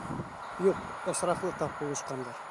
Юҡ, осраҡлы тап булышҡандар.